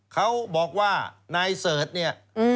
เขาบอกว่านายเสิร์ชเนี่ย